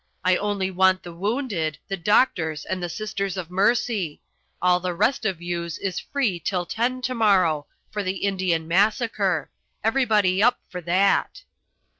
I only want the wounded, the doctors and the Sisters of Mercy. All the rest of youse is free till ten to morrow for the Indian Massacre. Everybody up for that."